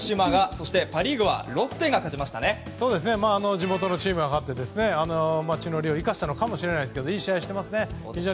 そしてパ・リーグは、ロッテ地元のチームが勝って地の利を生かしたのかもしれませんけどいい試合してますね。